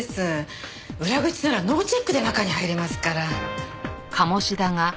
裏口ならノーチェックで中に入れますから。